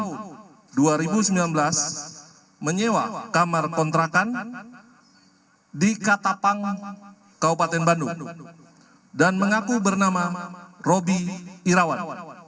peran ps menyewa kamar kontrakan di katapang kabupaten bandung dan mengaku bernama robi irawan